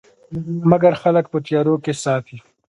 مګر خلک په تیارو کې ساتي.